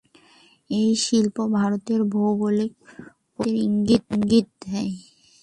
এই শিল্প ভারতের ভৌগোলিক অস্তিত্বের ইঙ্গিত দিয়।